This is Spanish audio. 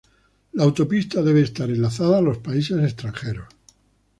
La autopista debe estar enlazada a los países extranjeros.